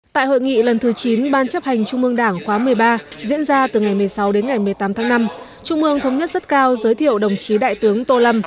tại hội nghị lần thứ chín ban chấp hành trung mương đảng khóa một mươi ba diễn ra từ ngày một mươi sáu đến ngày một mươi tám tháng năm trung ương thống nhất rất cao giới thiệu đồng chí đại tướng tô lâm